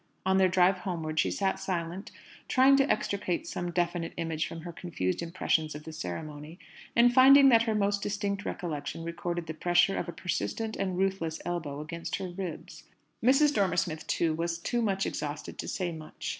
On their drive homeward, she sat silent, trying to extricate some definite image from her confused impressions of the ceremony, and finding that her most distinct recollection recorded the pressure of a persistent and ruthless elbow against her ribs. Mrs. Dormer Smith, too, was too much exhausted to say much.